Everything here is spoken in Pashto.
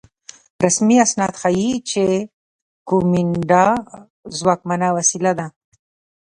رسمي اسناد ښيي چې کومېنډا ځواکمنه وسیله وه.